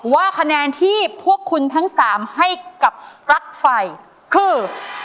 ว่าคะแนนที่พวกคุณทั้ง๓ให้กับปลั๊กไฟคือ